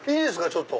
ちょっと。